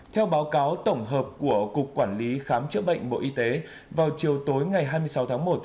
theo báo cáo tổng hợp của cục quản lý khám chữa bệnh bộ y tế vào chiều tối ngày hai mươi sáu tháng một